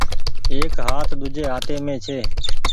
ايڪ هآت ۮوجھي هآتي مين ڇي۔